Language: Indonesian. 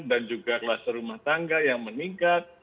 dan juga kluster rumah tangga yang meningkat